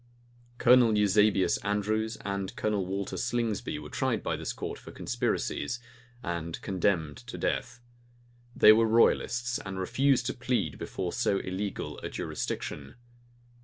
Colonel Eusebius Andrews and Colonel Walter Slingsby were tried by this court for conspiracies, and condemned to death. They were royalists, and refused to plead before so illegal a jurisdiction.